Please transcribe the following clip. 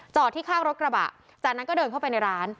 ที่ข้างรถกระบะจากนั้นก็เดินเข้าไปในร้าน